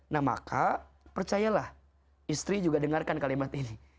nah maka percayalah istri juga dengarkan kalimat ini